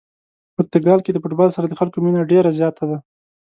پرتګال کې د فوتبال سره د خلکو مینه ډېره زیاته ده.